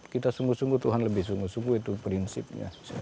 kita sungguh sungguh tuhan lebih sungguh sungguh itu prinsipnya